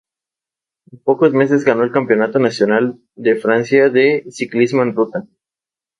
En pocos meses, ganó el Campeonato Nacional de Francia de ciclismo en ruta.